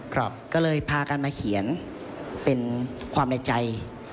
ก็เลยพากันมาเขียนเป็นความในใจ